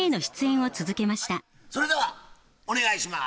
それではお願いします。